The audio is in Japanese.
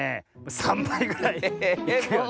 ３ばいぐらいいくよね。